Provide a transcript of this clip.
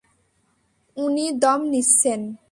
উনি দম নিচ্ছেন!